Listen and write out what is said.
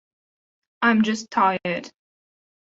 I'm just tired.